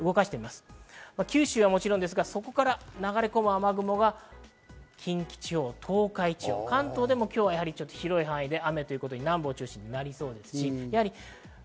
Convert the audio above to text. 九州はもちろん、そこから流れ込む雨雲が近畿地方、東海地方、関東でも今日は広い範囲で雨ということに、南部を中心になりそうです。